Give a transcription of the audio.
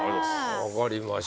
分かりました。